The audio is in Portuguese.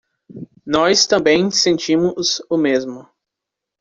Nós também sentimos o mesmo